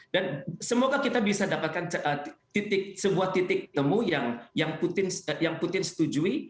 dan semoga kita bisa dapatkan sebuah titik temu yang putin setujui